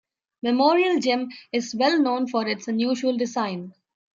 Memorial Gym is well known for its unusual design.